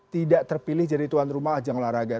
tidak terpilih jadi tuan rumah ajang olahraga